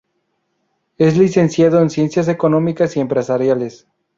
Es licenciado en Ciencias Económicas y Empresariales.